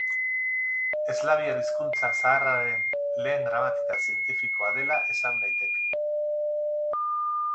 Eslaviar hizkuntza zaharraren lehen gramatika zientifikoa dela esan daiteke.